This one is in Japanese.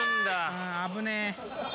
あ危ねえ！